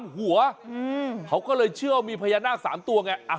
หัวเขาก็เลยเชื่อว่ามีพญานาค๓ตัวไง